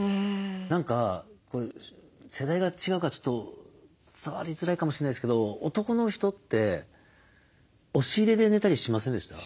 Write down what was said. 何か世代が違うからちょっと伝わりづらいかもしれないですけど男の人って押し入れで寝たりしませんでした？